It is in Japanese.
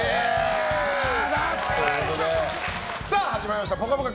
さあ、始まりました「ぽかぽか」